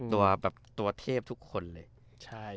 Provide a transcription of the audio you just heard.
ตัวเทพทุกคนเลย